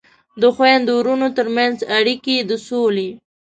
د خویندو ورونو ترمنځ اړیکې د سولې